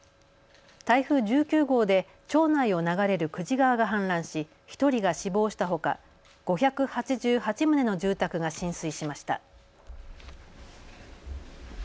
台風１９号で町内を流れる久慈川が氾濫し１人が死亡したほか５８８棟の住宅が浸水しました。